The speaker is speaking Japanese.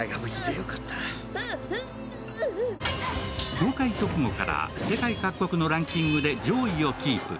公開直後から世界各国のランキングで上位をキープ。